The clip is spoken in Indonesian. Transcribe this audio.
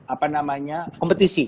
apa namanya kompetisi